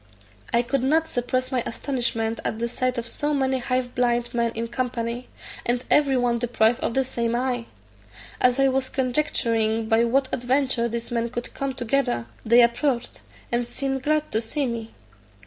I could not suppress my astonishment at the sight of so many half blind men in company, and every one deprived of the same eye. As I was conjecturing by what adventure these men could come together, they approached, and seemed glad to see me.